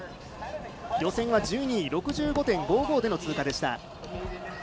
予選は１２位で６５．５５での通過でした。